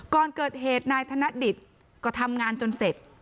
ก่อนเกิดเหตุนายธนดิตก็ทำงานจนเสร็จ